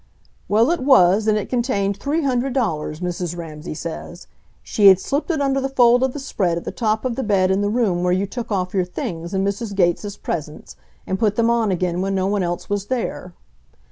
"Well, it was, and it contained three hundred dollars, Mrs. Ramsay says. She had slipped it under the fold of the spread at the top of the bed in the room where you took off your things in Mrs. Gates' presence, and put them on again when no one else was there."